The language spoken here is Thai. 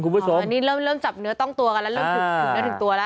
คุณผู้ชมอันนี้เริ่มจับเนื้อต้องตัวกันแล้วเริ่มถูกเนื้อถึงตัวแล้ว